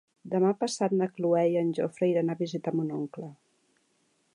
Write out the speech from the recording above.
Demà passat na Cloè i en Jofre iran a visitar mon oncle.